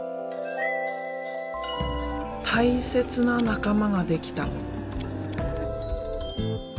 大切な仲間ができた。